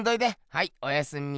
はいおやすみ。